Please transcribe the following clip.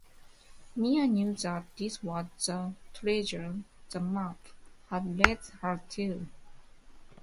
Mia knew that this was the treasure the map had led her to.